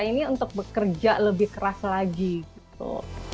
ini untuk bekerja lebih keras lagi gitu